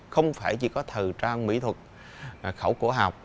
không phải chỉ có thờ trang mỹ thuật khẩu cổ học